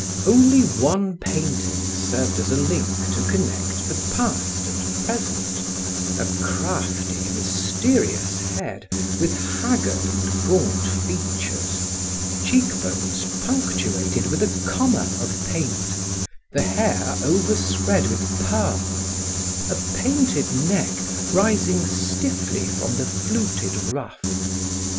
Only one painting served as a link to connect the past and present a crafty, mysterious head with haggard and gaunt features, cheekbones punctuated with a comma of paint, the hair overspread with pearls, a painted neck rising stiffly from the fluted ruff.